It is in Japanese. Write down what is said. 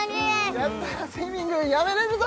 やったスイミングやめれるぞ！